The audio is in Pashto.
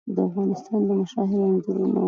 د افغانستان د مشاهیرو انځورونه وو.